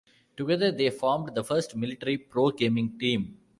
Together they formed the first military pro-gaming team.